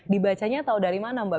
dibacanya tahu dari mana mbak